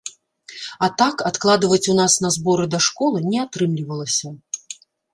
А так адкладваць у нас на зборы да школы не атрымлівалася.